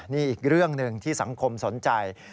นี่อีกเรื่องหนึ่งที่สังคมสนใจ